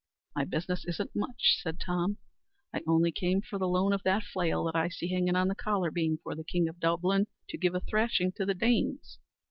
"My business isn't much," says Tom. "I only came for the loan of that flail that I see hanging on the collar beam, for the king of Dublin to give a thrashing to the Danes."